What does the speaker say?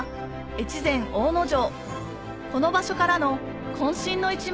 越前大野城